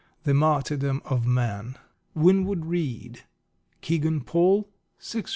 The Martyrdom of Man, Winwood Reade. Kegan Paul, 6s.